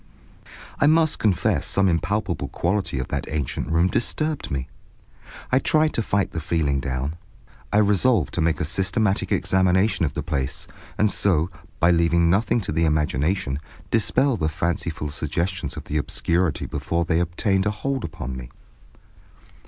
I must confess some impalpable quality of that ancient room disturbed me. I tried to fight the feeling down. I resolved to make a systematic examination of the place, and so, by leaving nothing to the imagination, dispel the fanciful suggestions of the obscurity before they obtained a hold upon me.